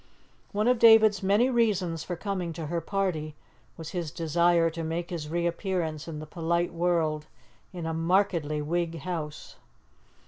One of David's many reasons for coming to her party was his desire to make his reappearance in the polite world in a markedly Whig house.